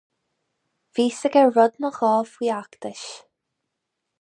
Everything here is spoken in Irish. Bhí a fhios aige rud nó dhó faoi fheachtais.